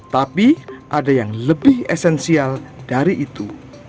tapi ada yang lebih esensial dari itu